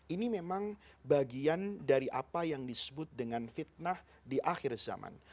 ini memang bagian dari apa yang disebut dengan fitnah di akhir zaman